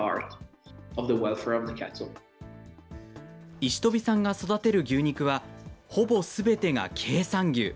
石飛さんが育てる牛肉は、ほぼすべてが経産牛。